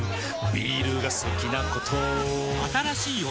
ビールが好きなことあぁーっ！